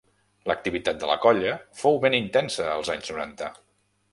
L'activitat de la colla fou ben intensa als anys noranta.